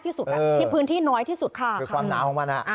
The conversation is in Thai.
อ่ะที่พื้นที่น้อยที่สุดค่ะคือความหนาวของมันอ่ะ